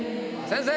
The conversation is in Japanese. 先生。